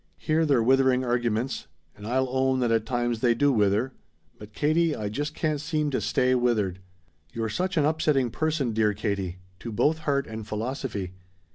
Hear their withering arguments, and I'll own that at times they do wither. But, Katie, I just can't seem to stay withered! "You're such an upsetting person, dear Katie. To both heart and philosophy.